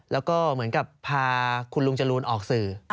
แล้วก็เหมือนกับพาคุณลุงจรูนออกสื่อ